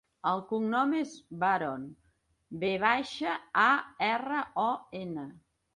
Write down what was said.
El cognom és Varon: ve baixa, a, erra, o, ena.